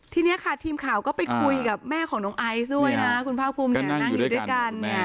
ทีนี้ค่ะทีมข่าวก็ไปคุยกับแม่ของน้องไอซ์ด้วยนะคุณภาคภูมิเนี่ยนั่งอยู่ด้วยกันเนี่ย